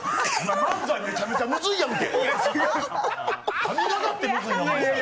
漫才、めちゃめちゃムズいやんけ！